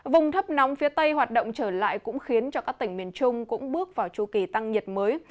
vùng thấp nóng phía tây hoạt động trở lại cũng khiến cho các tỉnh miền trung cũng bước vào chu kỳ tăng nhiệt mới